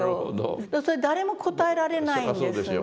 それ誰も答えられないんですね